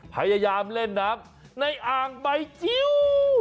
พยายามเล่นน้ำในอ่างใบจิ้ว